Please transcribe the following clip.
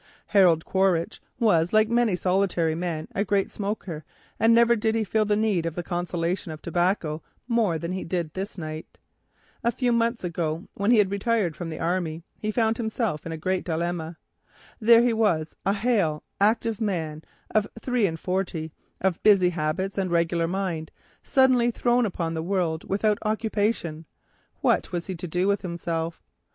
Harold Quaritch, like many solitary men, was a great smoker, and never did he feel the need for the consolation of tobacco more than on this night. A few months ago, when he had retired from the army, he found himself in a great dilemma. There he was, a hale, active man of three and forty, of busy habits, and regular mind, suddenly thrown upon the world without occupation. What was he to do with himself?